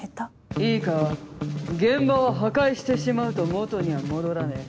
いいか現場は破壊してしまうと元には戻らねえ。